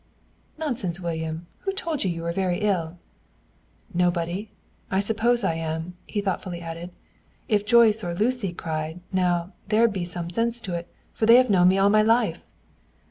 "Nonsense, William. Who told you you were very ill?" "Nobody. I suppose I am," he thoughtfully added. "If Joyce or Lucy cried, now, there'd be some sense in it, for they have known me all my life."